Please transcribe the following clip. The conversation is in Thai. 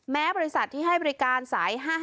บริษัทที่ให้บริการสาย๕๕